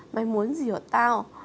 mày muốn gì hả tao